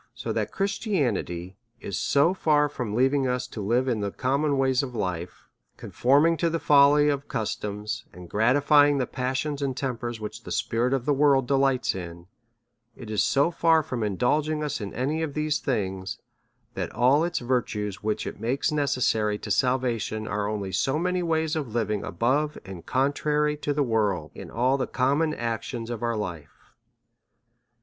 So that Christianity is so far from leaving us to live in the com mon ways of life, conforming to the folly of customs, and gratifying the passions and tempers which the spirit of the world delights in ; it is so far from in dulging us in any of these things, that all its virtues which it makes necessary to salvation are only so many ways of living above, and contrary to, the world in all the common actions of our life.